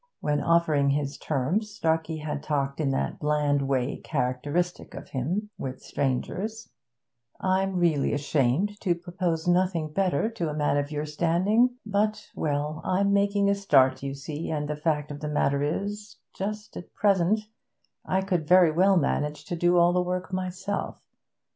When offering his terms Starkey had talked in that bland way characteristic of him with strangers. 'I'm really ashamed to propose nothing better to a man of your standing. But well, I'm making a start, you see, and the fact of the matter is that, just at present, I could very well manage to do all the work myself.